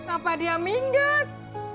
apa dia minggat